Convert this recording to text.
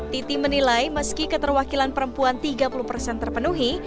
titi menilai meski keterwakilan perempuan tiga puluh persen terpenuhi